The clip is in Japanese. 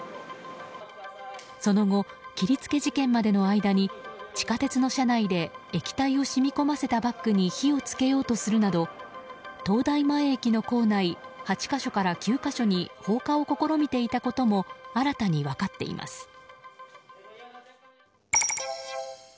その後、切り付け事件までの間に地下鉄の車内で液体を染み込ませたバッグに火を付けようとするなど東大前駅の構内８か所から９か所に放火を試みていたことも新たに分かっています。